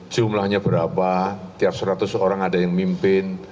jumlahnya berapa tiap seratus orang ada yang mimpin